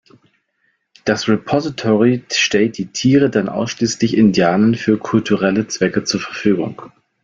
Das Repository stellt die Tiere dann ausschließlich Indianern für kulturelle Zwecke zur Verfügung.